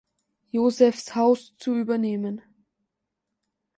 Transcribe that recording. Josefshaus“ zu übernehmen.